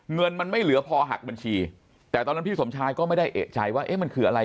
เงินมันไม่เหลือพอหักบัญชีแต่ตอนนั้นพี่สมชายก็ไม่ได้เอกใจว่าเอ๊ะมันคืออะไร